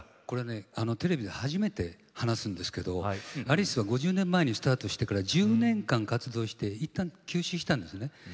これねテレビで初めて話すんですけどアリスは５０年前にスタートしてから１０年間活動していったん休止したんですね。